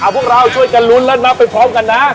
พวกเราช่วยกันลุ้นและนับไปพร้อมกันนะ